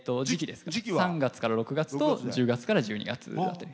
３月から６月と１０月から１２月。